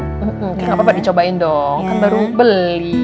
nggak apa apa dicobain dong kan baru beli